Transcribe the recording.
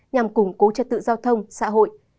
nhằm củng cố trật tự giao thông xã hội